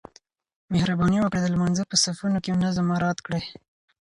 مهرباني وکړئ د لمانځه په صفونو کې نظم مراعات کړئ.